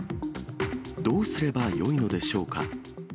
どうすればよいのでしょうか。